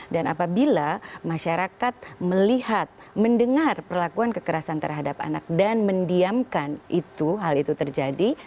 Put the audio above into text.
dan apabila masyarakat melihat mendengar perlakuan kekerasan terhadap anak dan mendiamkan itu hal itu terjadi